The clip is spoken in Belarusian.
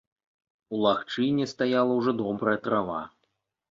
У лагчыне стаяла ўжо добрая трава.